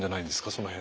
その辺。